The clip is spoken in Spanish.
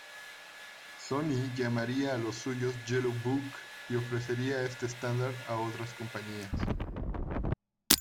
Sony llamaría a los suyos Yellow Book y ofrecería este estándar a otras compañías.